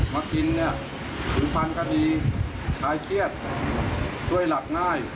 มากินเนี้ยถือพันธุ์ค่ะดีคลายเทียดด้วยหลักง่าย